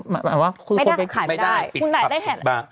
คือคนไปขายไม่ได้ปิดครับบ้างขายไม่ได้คือคนไปขายไม่ได้